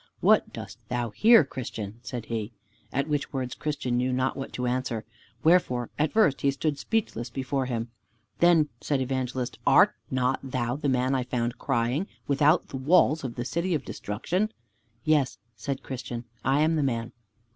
"What dost thou here, Christian?" said he. At which words Christian knew not what to answer, wherefore at first he stood speechless before him. Then said Evangelist, "Art not thou the man I found crying without the walls of the City of Destruction?" "Yes," said Christian, "I am the man."